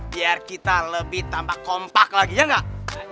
biar kita lebih tampak kompak lagi ya gak